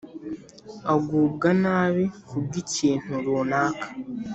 agubwa nabi ku bw'ikintu runaka,